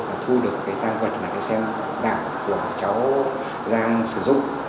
và thu được cái tăng vật là cái xe đạp của cháu giang sử dụng